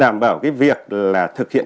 đảm bảo cái việc là thực hiện